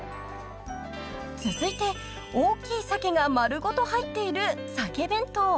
［続いて大きいさけが丸ごと入っている］